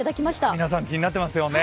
皆さん気になってますよね。